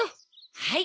はい。